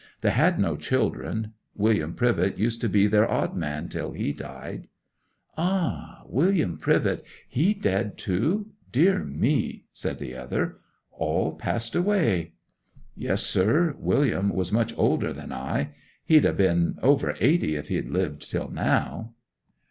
They had no children. William Privett used to be their odd man till he died.' 'Ah—William Privett! He dead too?—dear me!' said the other. 'All passed away!' 'Yes, sir. William was much older than I. He'd ha' been over eighty if he had lived till now.